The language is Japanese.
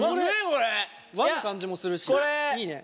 和の感じもするしいいね。